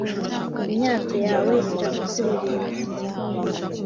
imyato yawe irakuririmba,